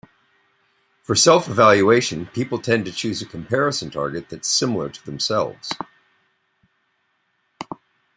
For self-evaluation, people tend to choose a comparison target that is similar to themselves.